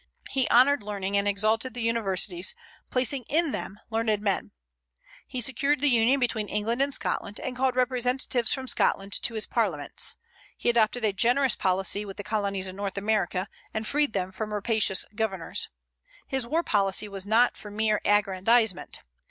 He honored learning and exalted the universities, placing in them learned men. He secured the union between England and Scotland, and called representatives from Scotland to his parliaments. He adopted a generous policy with the colonies in North America, and freed them from rapacious governors. His war policy was not for mere aggrandizement.